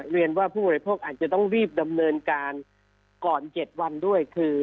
เรียนว่าผู้บริโภคอาจจะต้องรีบดำเนินการก่อน๗วันด้วยคือ